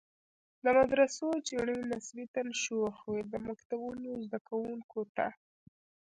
د مدرسو چڼې نسبتاً شوخ وي، د مکتبونو زده کوونکو ته.